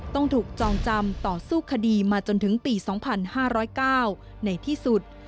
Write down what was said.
ต้องถูกจองจำต่อสู้คดีมาจนถึงปี๒๕๐๙ในที่สุด